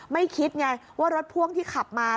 ไม่คิดไงว่ารถพ่วงที่ขับมา